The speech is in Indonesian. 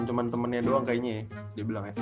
cuma temennya doang kayaknya ya dia bilang ya